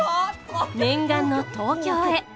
念願の東京へ。